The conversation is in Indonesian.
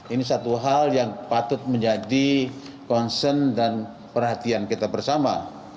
ini satu hal yang patut menjadi concern dan perhatian kita bersama